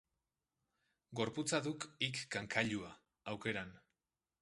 Gorputza duk hik kankailua, aukeran.